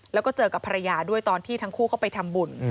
แล้วก็เจอกับภรรยาด้วยตอนที่ทั้งคู่เข้าไปทำบุญ